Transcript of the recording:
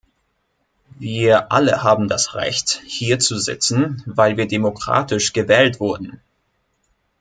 Wir alle haben das Recht, hier zu sitzen, weil wir demokratisch gewählt wurden.